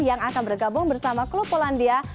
yang akan bergabung bersama klub polandia